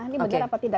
ini benar apa tidak